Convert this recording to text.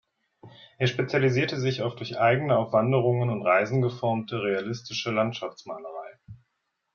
Er spezialisierte sich auf durch eigene auf Wanderungen und Reisen geformte, realistische Landschaftsmalerei.